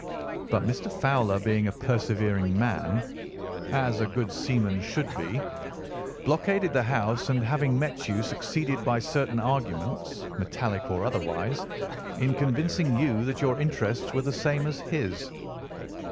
"But Mr. Fowler being a persevering man, as a good seaman should be, blockaded the house, and having met you succeeded by certain arguments, metallic or otherwise, in convincing you that your interests were the same as his."